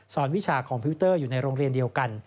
วิชาคอมพิวเตอร์อยู่ในโรงเรียนเดียวกัน